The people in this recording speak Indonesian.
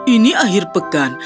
ini akhir pekan